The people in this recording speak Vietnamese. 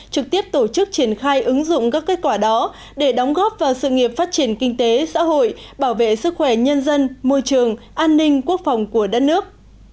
trực tiếp tổ chức triển khai ứng dụng các kết quả đó để đóng góp vào sự nghiệp phát triển kinh tế xã hội bảo vệ sức khỏe nhân dân môi trường an ninh quốc phòng của đất nước